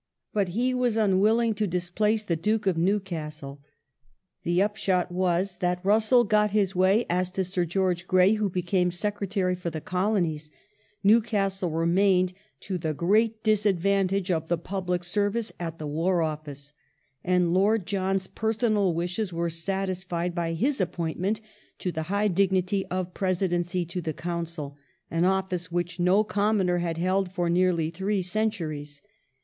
But he was unwilling to dis place the Duke of Newcastle. The upshot was that Russell got his way as to Sir George Grey, who became Secretary for the Colonies ; Newcastle remained, to the great disadvantage of the public service, at the War Office, and Lord John's personal wishes were satisfied by his appointment to the high dignity of Presidency to the Council — an office which no commoner had held for nearly three centuries.